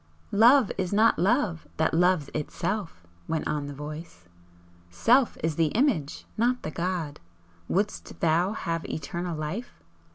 "Love is not Love that loves Itself," went on the Voice "Self is the Image, not the God. Wouldst thou have Eternal Life?